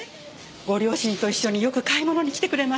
ご両親と一緒によく買い物に来てくれましたよ。